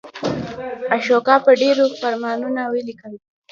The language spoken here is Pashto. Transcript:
اشوکا په ډبرو فرمانونه ولیکل.